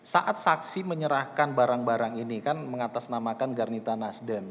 saat saksi menyerahkan barang barang ini kan mengatasnamakan garnita nasdem